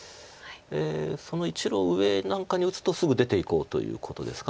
その１路上なんかに打つとすぐ出ていこうということですか